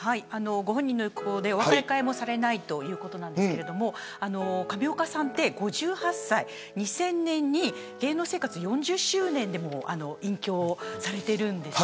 ご本人の意向でお別れ会もされないということですが上岡さんって５８歳２０００年に芸能生活４０周年でもう隠居されているんです。